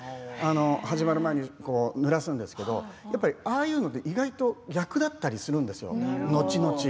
始まる前にぬらすんですけれどああいうのって意外と逆だったりするんですよ、のちのち。